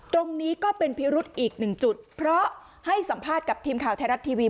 ตรงนี้ก็เป็นพิรุธอีกหนึ่งจุดเพราะให้สัมภาษณ์กับทีมข่าวไทยรัฐทีวี